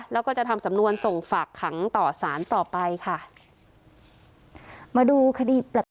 แล้วก็จะทำสำนวนส่งฝากขังต่อสารต่อไปค่ะมาดูคดีแปลก